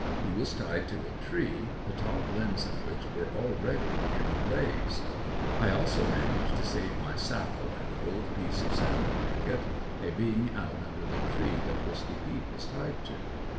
He was tied to a tree, the top limbs of which were already in a blaze. I also managed to save my saddle and an old piece of saddle blanket, they being out under the tree that Whisky peat was tied to.